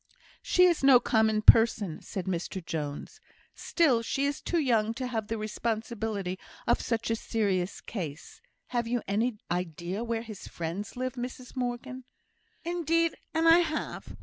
"She is no common person," said Mr Jones. "Still she is too young to have the responsibility of such a serious case. Have you any idea where his friends live, Mrs Morgan?" "Indeed and I have.